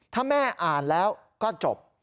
ถ้าแม่อ่านแล้วก็จบ